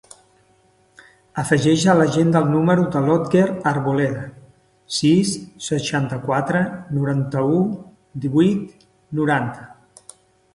Afegeix a l'agenda el número de l'Otger Arboleda: sis, seixanta-quatre, noranta-u, divuit, noranta.